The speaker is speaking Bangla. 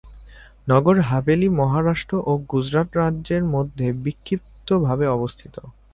নগর হাভেলি মহারাষ্ট্র ও গুজরাট রাজ্যের মধ্যে বিক্ষিপ্তভাবে অবস্থিত।